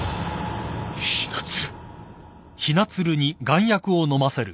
雛鶴！